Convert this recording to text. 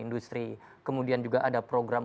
industri kemudian juga ada program